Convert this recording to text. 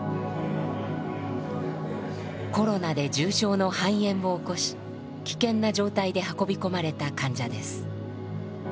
コロナで重症の肺炎を起こし危険な状態で運び込まれた患者です。